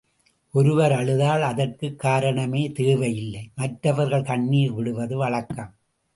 ஒருவர் அழுதால் அதற்குக் காரணமே தேவை இல்லை மற்றவர்கள் கண்ணிர் விடுவது வழக்கம்.